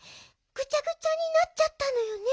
ぐちゃぐちゃになっちゃったのよね。